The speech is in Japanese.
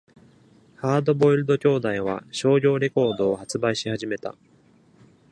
ハードボイルド兄弟は商業レコードを発売し始めた。